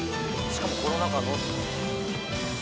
しかもコロナ禍の。